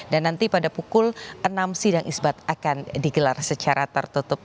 dan nanti pada pukul enam sidang isbat akan digelar secara tertutup